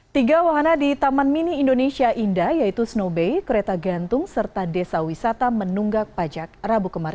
tiga wahana di taman mini indonesia indah yaitu snow bay kereta gantung serta desa wisata menunggak pajak rabu kemarin